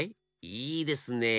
いいですねえ。